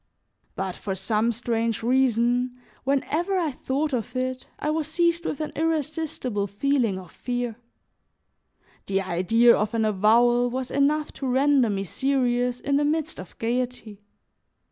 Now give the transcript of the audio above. But for some strange reason, whenever I thought of it I was seized with an irresistible feeling of fear; the idea of an avowal was enough to render me serious in the midst of gaiety.